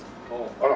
あら。